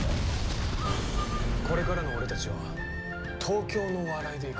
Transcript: これからの俺たちは東京の笑いでいく。